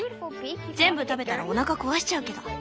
全部食べたらおなか壊しちゃうけど。